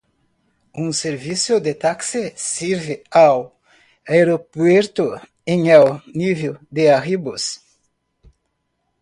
Un servicio de taxis sirve al aeropuerto en el nivel de arribos.